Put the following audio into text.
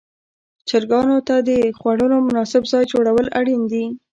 چرګانو ته د خوړلو مناسب ځای جوړول اړین دي.